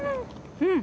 うん！